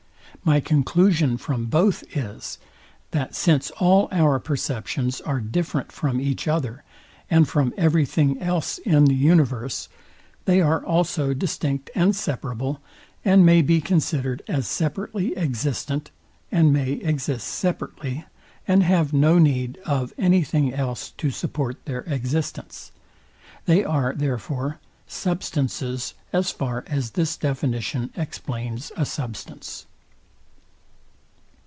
My conclusion from both is, that since all our perceptions are different from each other, and from every thing else in the universe, they are also distinct and separable, and may be considered as separately existent, and may exist separately, and have no need of any thing else to support their existence. They are, therefore, substances, as far as this definition explains a substance.